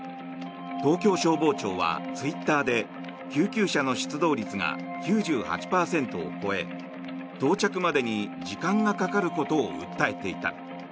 東京消防庁はツイッターで救急車の出動率が９８％を超え、到着までに時間がかかることを訴えていた。